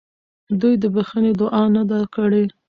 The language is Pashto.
دوی د بخښنې دعا نه ده کړې.